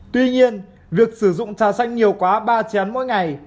tuy nhiên việc sử dụng trà xanh nhiều quá ba chén mỗi ngày